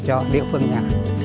cho địa phương nha